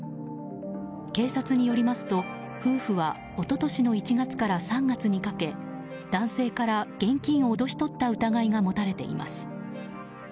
警察によりますと、夫婦は一昨年の１月から３月にかけ男性から現金を脅し取った疑いが持たれています。